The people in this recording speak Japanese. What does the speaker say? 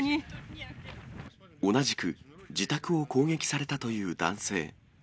同じく、自宅を攻撃されたという男性。